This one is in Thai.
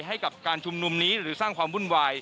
ให้กับการชุมนุมนี้หรือสร้างความวุ่นวาย